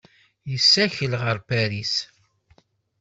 Yessakel ɣer Paris.